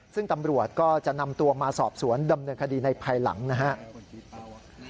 ซึ่งตำรวจก็จะนำตัวมาสอบสวนดำเนินคดีในภายหลังนะครับ